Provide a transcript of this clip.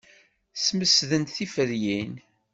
Smesdent tiferyin.